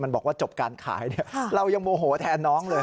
มันบอกว่าจบการขายเรายังโมโหแทนน้องเลย